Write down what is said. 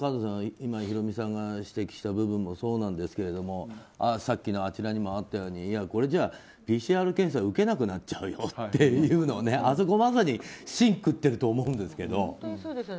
今、ヒロミさんが指摘した部分もそうなんですけれどさっきのあちらにもあったようにこれじゃＰＣＲ検査を受けなくなっちゃうよっていうあそこ、まさに芯食ってると思うんですけど。